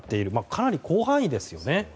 かなり広範囲ですよね。